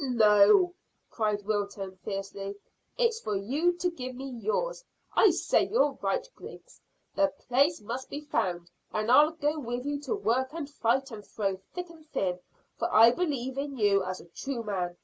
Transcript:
"No," cried Wilton fiercely. "It's for you to give me yours. I say you're right, Griggs. The place must be found, and I'll go with you to work and fight, and through thick and thin, for I believe in you as a true man.